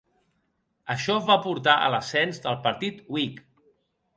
Això va portar a l'ascens del Partit Whig.